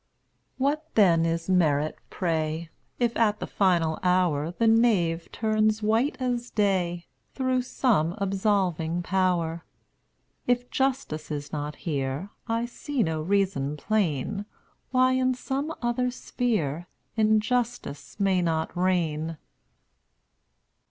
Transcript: aoo What then is merit, pray, . If at the final hour The knave turns white as day Through some absolving power? If justice is not here, I see no reason plain Why in some other sphere Injustice may not reign.